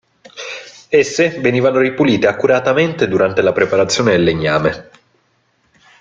Esse venivano ripulite accuratamente durante la preparazione del legname.